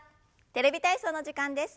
「テレビ体操」の時間です。